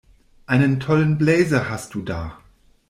Einen tollen Blazer hast du da!